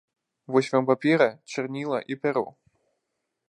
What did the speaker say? Вось вам папера, чарніла і пяро!